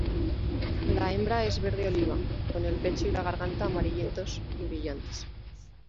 La hembra es verde oliva, con el pecho y la garganta amarillentos y brillantes.